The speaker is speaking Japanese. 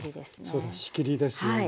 そうだ仕切りですよね。